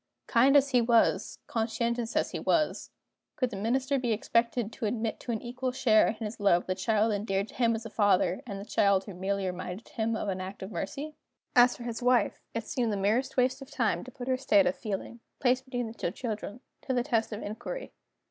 Kind as he was, conscientious as he was, could the Minister be expected to admit to an equal share in his love the child endeared to him as a father, and the child who merely reminded him of an act of mercy? As for his wife, it seemed the merest waste of time to put her state of feeling (placed between the two children) to the test of inquiry.